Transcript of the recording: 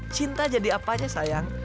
cinta jadi apanya sayang